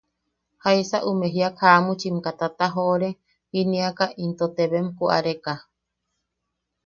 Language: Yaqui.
Jaisa ume jiak jamuchimka tatajoʼore jiniaka into teebem koʼareka.